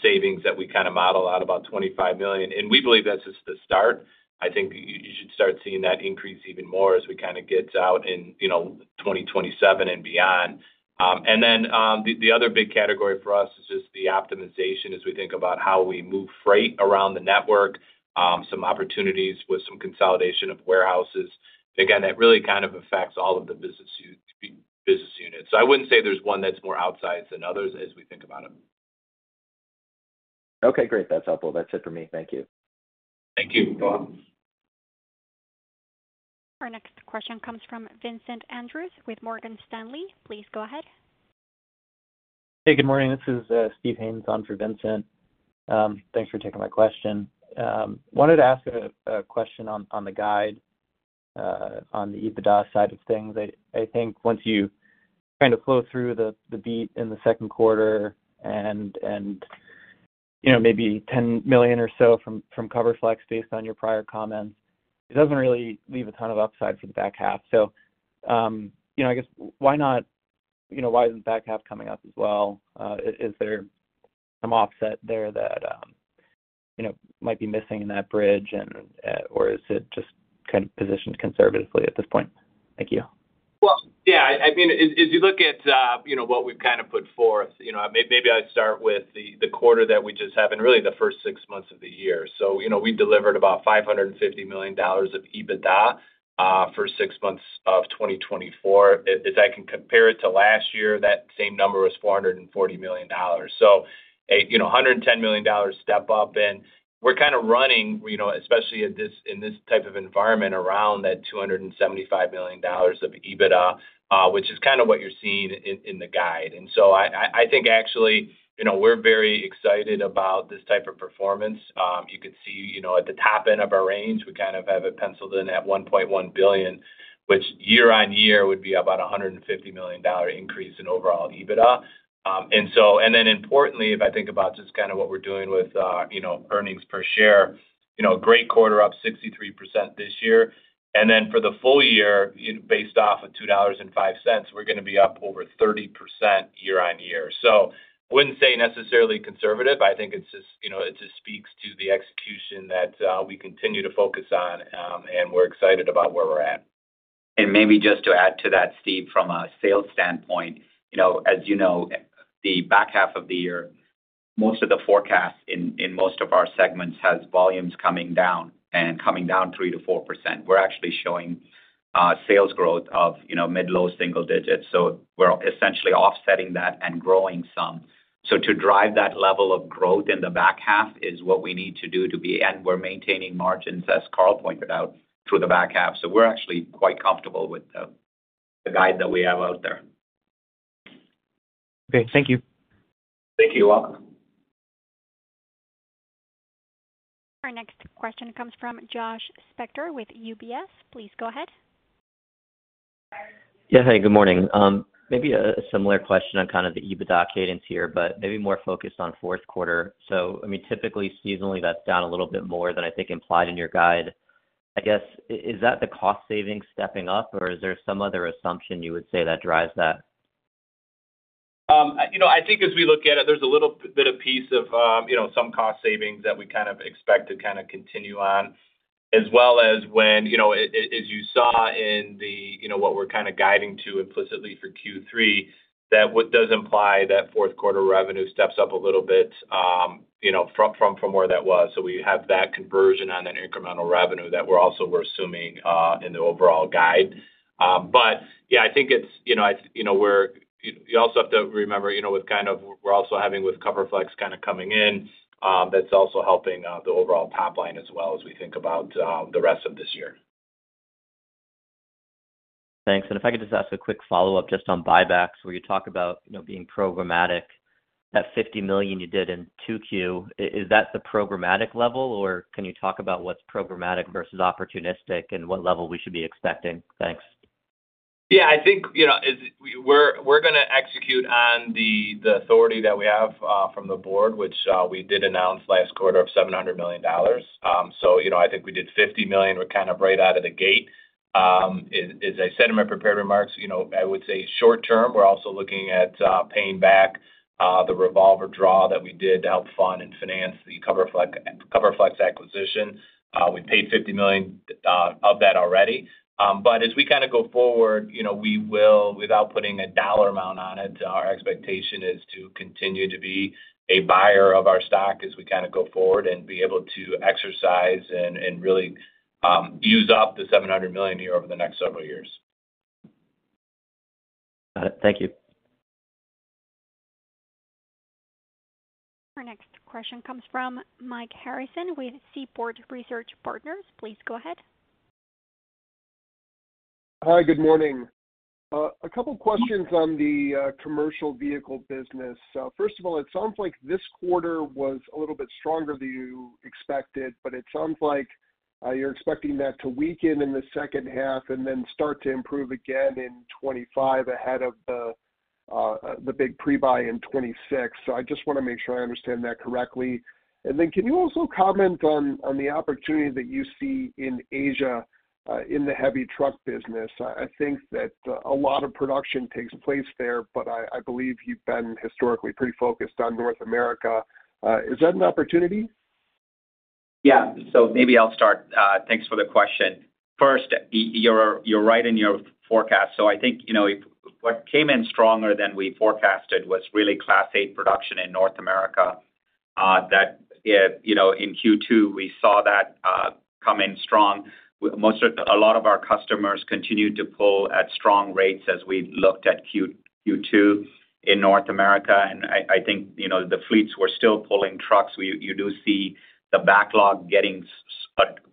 savings that we kind of model out about $25 million, and we believe that's just the start. I think you should start seeing that increase even more as we kind of get out in, you know, 2027 and beyond. And then the other big category for us is just the optimization as we think about how we move freight around the network, some opportunities with some consolidation of warehouses. Again, that really kind of affects all of the business units. So I wouldn't say there's one that's more outsized than others as we think about them. Okay, great. That's helpful. That's it for me. Thank you. Thank you. Our next question comes from Vincent Andrews with Morgan Stanley. Please go ahead. Hey, good morning. This is, Steve Haynes on for Vincent. Thanks for taking my question. Wanted to ask a question on the guide, on the EBITDA side of things. I think once you kind of flow through the beat in the second quarter and, you know, maybe $10 million or so from CoverFlexx, based on your prior comments, it doesn't really leave a ton of upside for the back half. So, you know, I guess why not, you know, why isn't the back half coming up as well? Is there some offset there that you know might be missing in that bridge and, or is it just kind of positioned conservatively at this point? Thank you. Well, yeah, I mean, as you look at, you know, what we've kind of put forth, you know, maybe I'd start with the quarter that we just have and really the first six months of the year. So, you know, we delivered about $550 million of EBITDA for six months of 2024. If I can compare it to last year, that same number was $440 million. So, you know, a $110 million step up, and we're kind of running, you know, especially in this type of environment, around that $275 million of EBITDA, which is kind of what you're seeing in the guide. And so I think actually, you know, we're very excited about this type of performance. You could see, you know, at the top end of our range, we kind of have it penciled in at $1.1 billion, which year-on-year would be about a $150 million increase in overall EBITDA. And then importantly, if I think about just kind of what we're doing with, you know, earnings per share, you know, great quarter, up 63% this year. And then for the full year, you know, based off of $2.05, we're gonna be up over 30% year-on-year. So I wouldn't say necessarily conservative. I think it's just, you know, it just speaks to the execution that we continue to focus on, and we're excited about where we're at. Maybe just to add to that, Steve, from a sales standpoint, you know, as you know, the back half of the year, most of the forecast in most of our segments has volumes coming down, and coming down 3%-4%. We're actually showing sales growth of, you know, mid, low single digits, so we're essentially offsetting that and growing some. So to drive that level of growth in the back half is what we need to do to be... And we're maintaining margins, as Carl pointed out, through the back half. So we're actually quite comfortable with the guide that we have out there. Okay, thank you. Thank you. You're welcome. Our next question comes from Josh Spector with UBS. Please go ahead. Yeah. Hey, good morning. Maybe a similar question on kind of the EBITDA cadence here, but maybe more focused on fourth quarter. So, I mean, typically seasonally, that's down a little bit more than I think implied in your guide. I guess, is that the cost savings stepping up, or is there some other assumption you would say that drives that? You know, I think as we look at it, there's a little bit of piece of, you know, some cost savings that we kind of expect to kinda continue on, as well as when, you know, as you saw in the, you know, what we're kind of guiding to implicitly for Q3, that what does imply that fourth quarter revenue steps up a little bit, you know, from where that was. So we have that conversion on that incremental revenue that we're also assuming in the overall guide. But yeah, I think it's, you know, I, you know, we're... You also have to remember, you know, with kind of we're also having with CoverFlexx kinda coming in, that's also helping the overall top line as well, as we think about the rest of this year. Thanks. And if I could just ask a quick follow-up just on buybacks, where you talk about, you know, being programmatic. That $50 million you did in 2Q, is that the programmatic level, or can you talk about what's programmatic versus opportunistic and what level we should be expecting? Thanks. Yeah, I think, you know, as we're gonna execute on the authority that we have from the board, which we did announce last quarter of $700 million. So, you know, I think we did $50 million. We're kind of right out of the gate. As I said in my prepared remarks, you know, I would say short term, we're also looking at paying back the revolver draw that we did to help fund and finance the CoverFlexx acquisition. We paid $50 million of that already. But as we kind of go forward, you know, we will, without putting a dollar amount on it, our expectation is to continue to be a buyer of our stock as we kind of go forward and be able to exercise and really use up the $700 million here over the next several years. Got it. Thank you. Our next question comes from Mike Harrison with Seaport Research Partners. Please go ahead. Hi, good morning. A couple questions on the commercial vehicle business. First of all, it sounds like this quarter was a little bit stronger than you expected, but it sounds like you're expecting that to weaken in the second half and then start to improve again in 2025 ahead of the big pre-buy in 2026. So I just wanna make sure I understand that correctly. And then, can you also comment on the opportunity that you see in Asia in the heavy truck business? I think that a lot of production takes place there, but I believe you've been historically pretty focused on North America. Is that an opportunity? Yeah. So maybe I'll start. Thanks for the question. First, you're right in your forecast. So I think, you know, if what came in stronger than we forecasted was really Class A production in North America. That, you know, in Q2, we saw that come in strong. A lot of our customers continued to pull at strong rates as we looked at Q2 in North America, and I think, you know, the fleets were still pulling trucks. You do see the backlog getting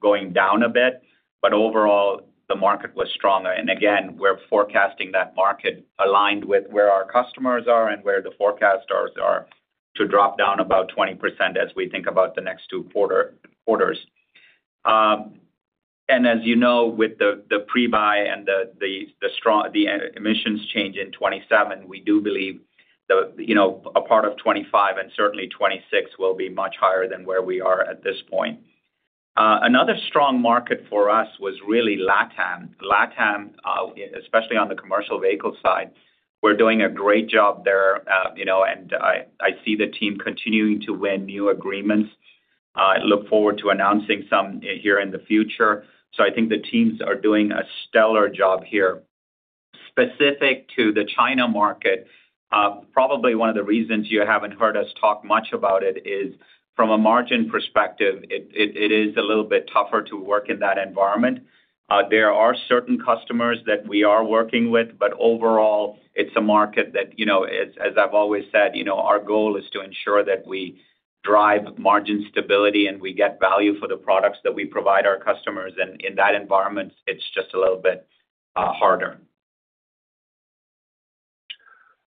going down a bit, but overall, the market was stronger. And again, we're forecasting that market aligned with where our customers are and where the forecasters are, to drop down about 20% as we think about the next two quarters. And as you know, with the pre-buy and the strong emissions change in 2027, we do believe that, you know, a part of 2025 and certainly 2026 will be much higher than where we are at this point. Another strong market for us was really LATAM. LATAM, especially on the commercial vehicle side, we're doing a great job there. You know, and I see the team continuing to win new agreements. I look forward to announcing some here in the future. So I think the teams are doing a stellar job here. Specific to the China market, probably one of the reasons you haven't heard us talk much about it is, from a margin perspective, it is a little bit tougher to work in that environment. There are certain customers that we are working with, but overall, it's a market that, you know, as I've always said, you know, our goal is to ensure that we drive margin stability, and we get value for the products that we provide our customers, and in that environment, it's just a little bit harder.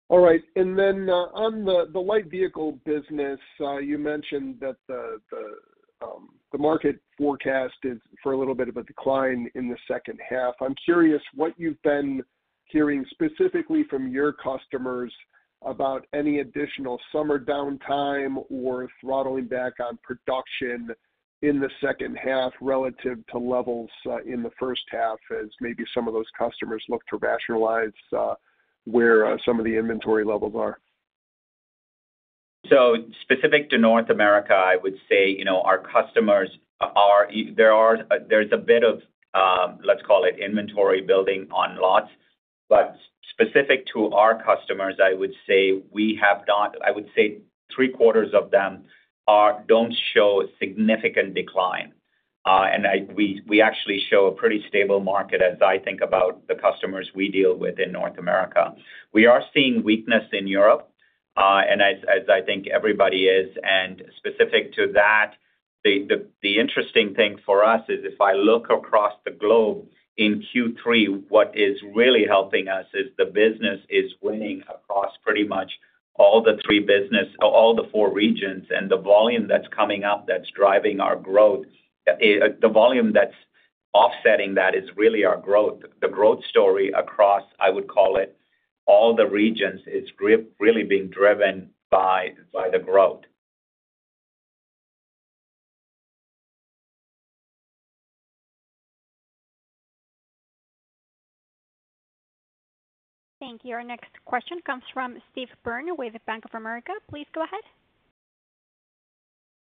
All right. And then, on the light vehicle business, you mentioned that the market forecast is for a little bit of a decline in the second half. I'm curious what you've been hearing specifically from your customers about any additional summer downtime or throttling back on production in the second half relative to levels in the first half, as maybe some of those customers look to rationalize where some of the inventory levels are. So specific to North America, I would say, you know, our customers, there is a bit of, let's call it, inventory building on lots. But specific to our customers, I would say we have not—I would say three quarters of them don't show significant decline. And we actually show a pretty stable market as I think about the customers we deal with in North America. We are seeing weakness in Europe. And as I think everybody is, and specific to that, the interesting thing for us is if I look across the globe in Q3, what is really helping us is the business is winning across pretty much all the three business, all the four regions. And the volume that's coming up that's driving our growth, the volume that's offsetting that is really our growth. The growth story across, I would call it, all the regions, is really being driven by the growth. Thank you. Our next question comes from Steve Byrne with Bank of America. Please go ahead.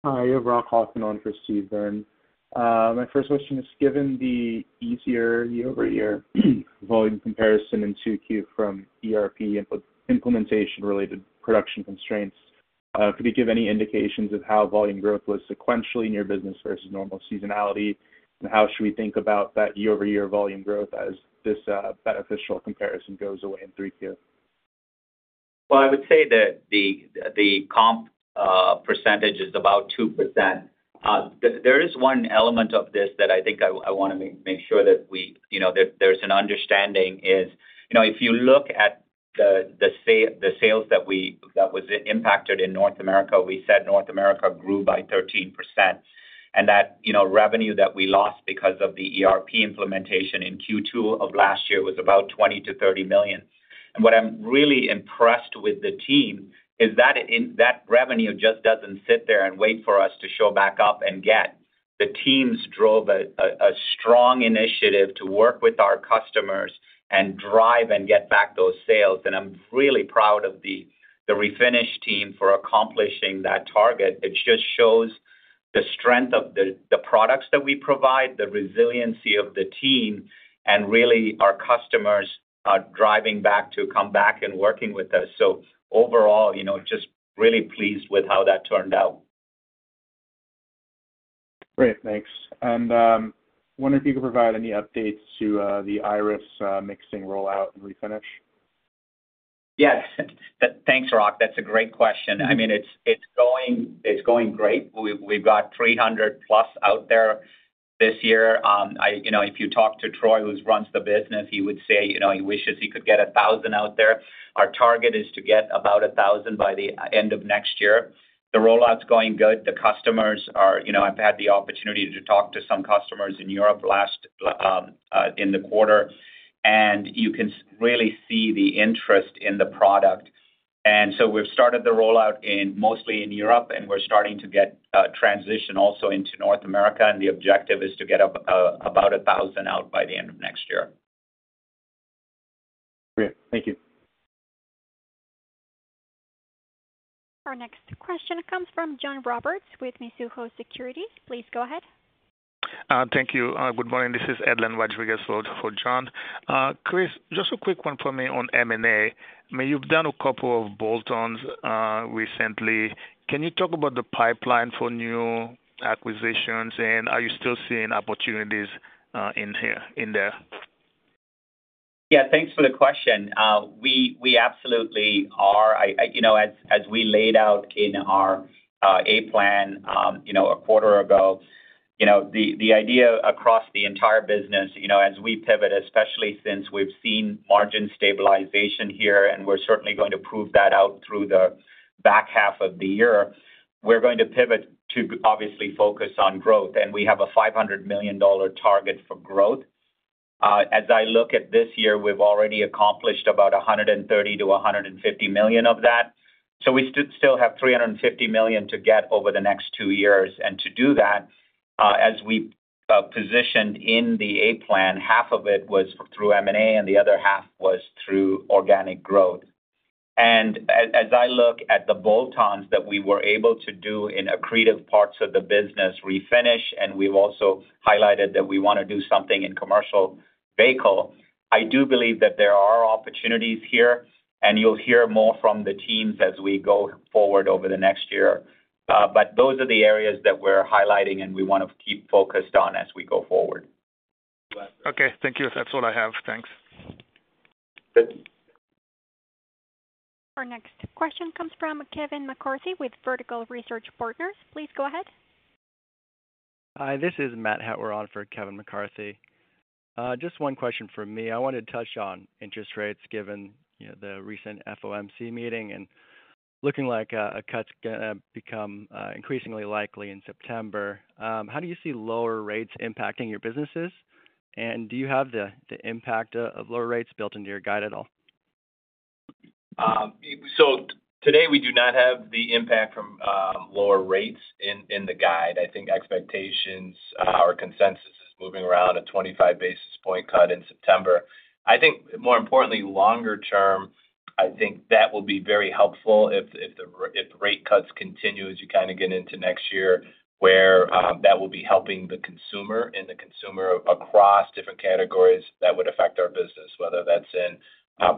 Hi, Rock Hoffman on for Steve Byrne. My first question is, given the easier year-over-year, volume comparison in 2Q from ERP input-implementation-related production constraints, could you give any indications of how volume growth was sequentially in your business versus normal seasonality? And how should we think about that year-over-year volume growth as this, beneficial comparison goes away in 3Q? Well, I would say that the comp percentage is about 2%. There is one element of this that I think I wanna make sure that we, you know, there's an understanding is, you know, if you look at the sales that was impacted in North America, we said North America grew by 13%. And that, you know, revenue that we lost because of the ERP implementation in Q2 of last year was about $20 million-$30 million. And what I'm really impressed with the team is that that revenue just doesn't sit there and wait for us to show back up and get. The teams drove a strong initiative to work with our customers and drive and get back those sales, and I'm really proud of the Refinish team for accomplishing that target. It just shows the strength of the products that we provide, the resiliency of the team, and really, our customers are driving back to come back and working with us. So overall, you know, just really pleased with how that turned out. Great. Thanks. And wonder if you could provide any updates to the Irus mixing rollout in Refinish? Yes. Thanks, Rock. That's a great question. I mean, it's, it's going, it's going great. We've, we've got 300 plus out there this year. You know, if you talk to Troy, who runs the business, he would say, you know, he wishes he could get 1,000 out there. Our target is to get about 1,000 by the end of next year. The rollout's going good. The customers are... You know, I've had the opportunity to talk to some customers in Europe last in the quarter, and you can really see the interest in the product. And so we've started the rollout in, mostly in Europe, and we're starting to get transition also into North America. And the objective is to get up about 1,000 out by the end of next year. Great. Thank you. Our next question comes from John Roberts with Mizuho Securities. Please go ahead. Thank you. Good morning. This is Edlain Rodriguez for, for John. Chris, just a quick one for me on M&A. I mean, you've done a couple of bolt-ons, recently. Can you talk about the pipeline for new acquisitions, and are you still seeing opportunities, in here, in there? Yeah, thanks for the question. We absolutely are. I you know, as we laid out in our A Plan a quarter ago, you know, the idea across the entire business, you know, as we pivot, especially since we've seen margin stabilization here, and we're certainly going to prove that out through the back half of the year, we're going to pivot to obviously focus on growth, and we have a $500 million target for growth. As I look at this year, we've already accomplished about $130 million-$150 million of that, so we still have $350 million to get over the next two years. To do that, as we positioned in the A Plan, half of it was through M&A, and the other half was through organic growth. As I look at the bolt-ons that we were able to do in accretive parts of the business, Refinish, and we've also highlighted that we wanna do something in commercial vehicle, I do believe that there are opportunities here, and you'll hear more from the teams as we go forward over the next year. But those are the areas that we're highlighting, and we wanna keep focused on as we go forward. Okay, thank you. That's all I have. Thanks. Good. Our next question comes from Kevin McCarthy with Vertical Research Partners. Please go ahead. Hi, this is Matthew Hettwer on for Kevin McCarthy. Just one question from me. I wanted to touch on interest rates, given, you know, the recent FOMC meeting, and looking like a cut's gonna become increasingly likely in September. How do you see lower rates impacting your businesses? And do you have the impact of lower rates built into your guide at all? So today, we do not have the impact from lower rates in the guide. I think expectations or consensus is moving around a 25 basis point cut in September. I think more importantly, longer term, I think that will be very helpful if rate cuts continue as you kind of get into next year, where that will be helping the consumer and the consumer across different categories, that would affect our business, whether that's in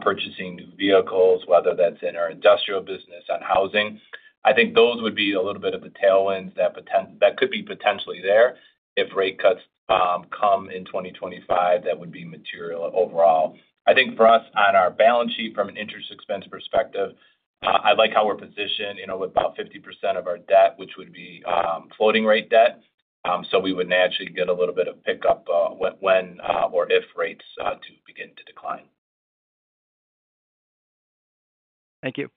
purchasing new vehicles, whether that's in our industrial business, on housing. I think those would be a little bit of a tailwind that could be potentially there. If rate cuts come in 2025, that would be material overall. I think for us, on our balance sheet, from an interest expense perspective, I like how we're positioned, you know, with about 50% of our debt, which would be floating rate debt. So we would naturally get a little bit of pickup, when or if rates to begin to decline. Thank you.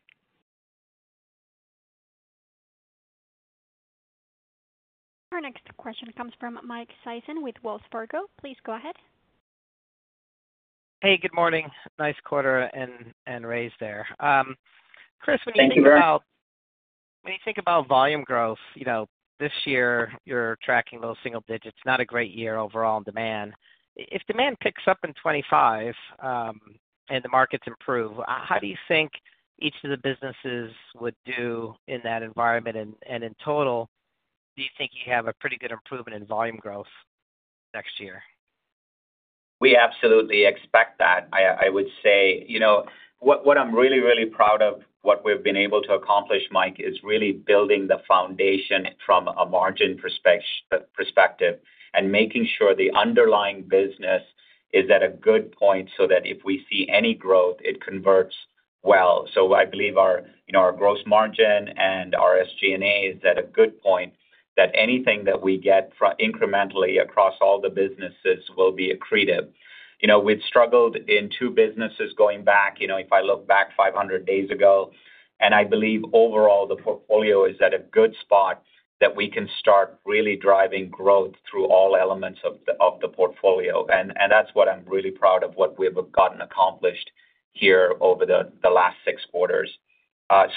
Our next question comes from Mike Sison with Wells Fargo. Please go ahead. Hey, good morning. Nice quarter and raise there. Chris- Thank you, Mike. When you think about volume growth, you know, this year you're tracking low single digits, not a great year overall in demand. If demand picks up in 2025, and the markets improve, how do you think each of the businesses would do in that environment? And in total, do you think you have a pretty good improvement in volume growth next year? We absolutely expect that. I would say, you know, what I'm really proud of, what we've been able to accomplish, Mike, is really building the foundation from a margin perspective, and making sure the underlying business is at a good point, so that if we see any growth, it converts well. So I believe our, you know, our gross margin and our SG&A is at a good point, that anything that we get incrementally across all the businesses will be accretive. You know, we've struggled in two businesses going back, you know, if I look back 500 days ago, and I believe overall, the portfolio is at a good spot, that we can start really driving growth through all elements of the portfolio. And that's what I'm really proud of, what we've gotten accomplished here over the last six quarters.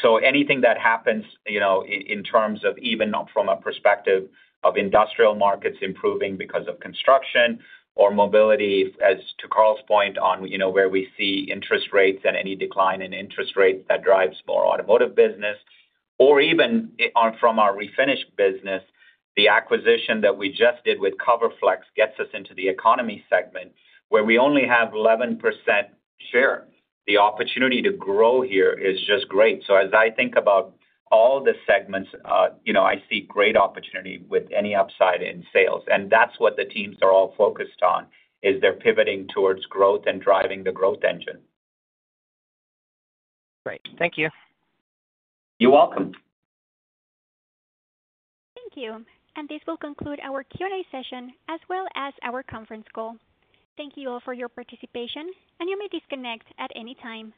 So anything that happens, you know, in terms of even from a perspective of industrial markets improving because of construction or mobility, as to Carl's point on, you know, where we see interest rates and any decline in interest rates that drives more automotive business or even from our Refinish business, the acquisition that we just did with CoverFlexx gets us into the economy segment, where we only have 11% share. The opportunity to grow here is just great. So as I think about all the segments, you know, I see great opportunity with any upside in sales, and that's what the teams are all focused on, is they're pivoting towards growth and driving the growth engine. Great. Thank you. You're welcome. Thank you, and this will conclude our Q&A session as well as our conference call. Thank you all for your participation, and you may disconnect at any time.